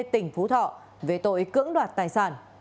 tỉnh phú thọ về tội cưỡng đoạt tài sản